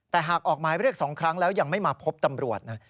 แต่หากออกหมายเรียก๒ครั้งแล้วยังไม่มาพบตำรวจนะ